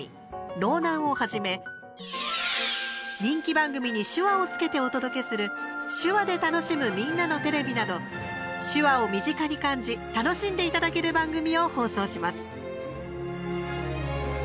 ろうなん」をはじめ人気番組に手話をつけてお届けする「手話で楽しむみんなのテレビ」など、手話を身近に感じ楽しんでいただける番組を放送します。